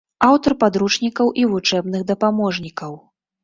Аўтар падручнікаў і вучэбных дапаможнікаў.